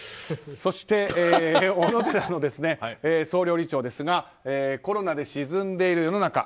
そして、おのでらの総料理長ですがコロナで沈んでいる世の中